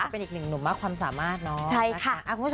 เป็นอีกหนึ่งหนุ่มมากความสามารถเนาะ